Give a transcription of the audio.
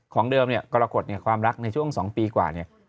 ของเดิมนะครับกรกฎความรักในช่วง๒ปีกว่า